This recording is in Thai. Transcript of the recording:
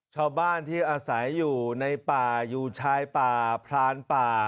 ชาวบ้านที่อาศัยอยู่ในป่าอยู่ชายป่าพรานป่า